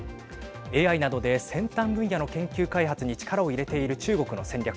ＡＩなどで先端分野の研究開発に力を入れている中国の戦略。